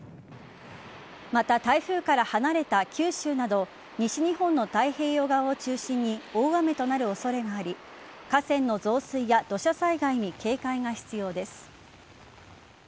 また、台風から離れた九州など西日本の太平洋側を中心に大雨となる恐れがあり河川の増水や土砂災害に警戒が必要です。